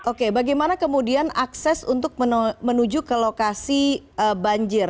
oke bagaimana kemudian akses untuk menuju ke lokasi banjir